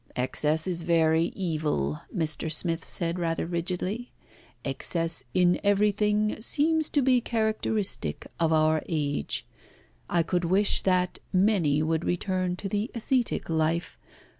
"Excess is very evil," Mr. Smith said rather rigidly. "Excess in everything seems to be characteristic of our age. I could wish that many would return to the ascetic life.